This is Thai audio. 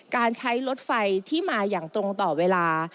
การใช้รถไฟที่มาอย่างตรงต่อเวลา